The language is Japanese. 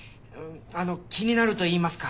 あの気になるといいますか。